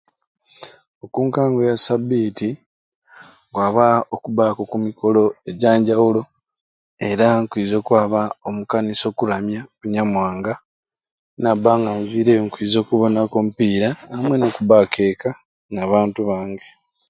Okunkango ya sabiiti nkwaba okubaku oku mikolo egyanjawulo era nkwiza okwaba omu kanisa okuramya onyamwanga ninabanga nga nzwireyo nkwiza okubonaku omupiira amwei no kubaku eka n'abantu bange